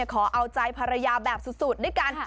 ขอเอาใจภรรยาแบบสุดด้วยกัน